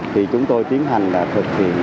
thì chúng tôi tiến hành thực hiện